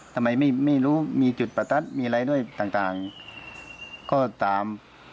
ทำไมไม่รู้มีจุดประทัดมีอะไรด้วยต่างก็ตาม